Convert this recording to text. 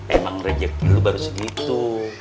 emang rejeki lu baru segitu